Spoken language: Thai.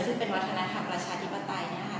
ซึ่งเป็นวัฒนธรรมประชาธิปไตย